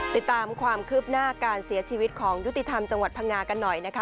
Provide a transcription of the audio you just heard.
ติดตามความคืบหน้าการเสียชีวิตของยุติธรรมจังหวัดพังงากันหน่อยนะคะ